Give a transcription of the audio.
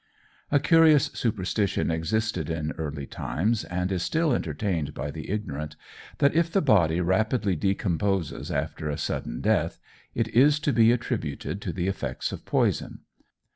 A curious superstition existed in early times, and is still entertained by the ignorant, that if the body rapidly decomposes after a sudden death it is to be attributed to the effects of poison.